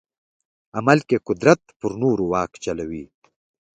عمل کې قدرت پر نورو واک چلوي.